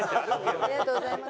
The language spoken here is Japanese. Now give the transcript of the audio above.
ありがとうございます。